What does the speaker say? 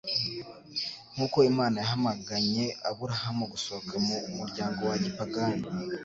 Nk'uko Imana yahamaganye Aburahamu gusohoka mu muryango wa gipagani,